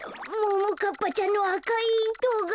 ももかっぱちゃんのあかいいとが。